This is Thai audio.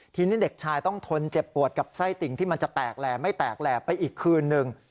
ทีนี้เด็กชายต้องทนเจ็บปวดกับไส้ติ่งที่มันจะแตกแหล่ไม่แตกแหล่ไปอีกคืนนึง